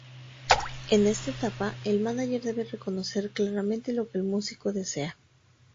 En esta etapa, el mánager debe reconocer claramente lo que el músico desea.